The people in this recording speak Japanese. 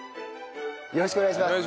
よろしくお願いします。